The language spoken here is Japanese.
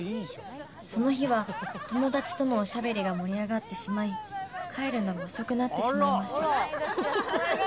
その日は友達とのおしゃべりが盛り上がってしまい帰るのが遅くなってしまいましたあら。